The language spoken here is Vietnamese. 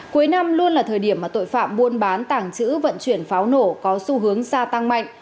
cuối năm luôn là thời điểm mà tội phạm buôn bán tàng trữ vận chuyển pháo nổ có xu hướng gia tăng mạnh